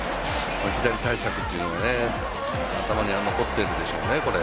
左対策というのが頭には残ってるでしょうね、これ。